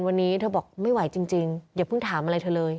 วันนี้เธอบอกไม่ไหวจริงอย่าเพิ่งถามอะไรเธอเลย